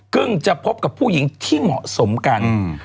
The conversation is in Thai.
กึ้งจะพบกับผู้หญิงที่เหมาะสมกัน